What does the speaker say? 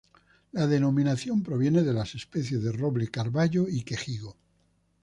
La denominación proviene de las especies de roble carballo y quejigo.